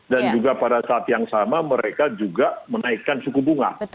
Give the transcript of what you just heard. dan juga pada saat yang sama mereka juga menaikkan suku bunga